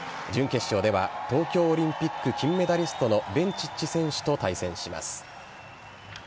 準決勝では東京オリンピック金メダリストのベンチッチ選手と対戦します。